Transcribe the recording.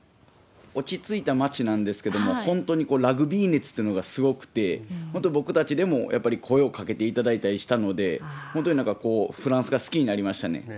落ち着いた町なんですけれども、本当にラグビー熱というのがすごくて、本当僕たちでもやっぱり声をかけていただいたりしたので、本当にフランスが好きになりましたね。